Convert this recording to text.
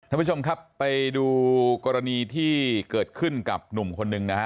ท่านผู้ชมครับไปดูกรณีที่เกิดขึ้นกับหนุ่มคนหนึ่งนะฮะ